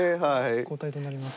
交代となります。